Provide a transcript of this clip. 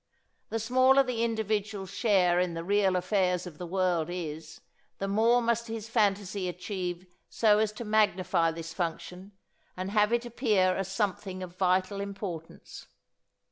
The smaller the individual's share in the real affairs of the world is, the more must his fantasy achieve so as to magnify this function and have it appear as something of vital importance.